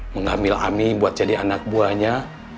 mengambil ami buat jadi anak buahnya